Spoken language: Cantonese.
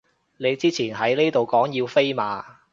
你之前喺呢度講要飛嘛